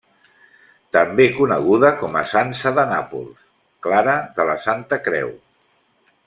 També coneguda com a Sança de Nàpols, Clara de la santa Creu.